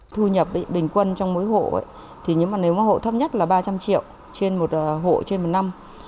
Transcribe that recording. thu nhập bình quân trong mỗi hộ nếu mà hộ thấp nhất là ba trăm linh triệu trên một hộ trên một năm